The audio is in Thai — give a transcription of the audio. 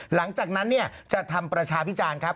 หลังจากนั้นจะทำประชาพิจารณ์ครับ